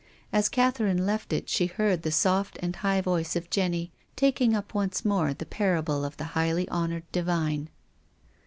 As Catherine left it she heard the soft and high V(jice of Jenny taking u[) once more the parable of the highly honoured divine.